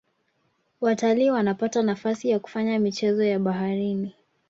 watalii wanapata nafasi ya kufanya michezo ya baharini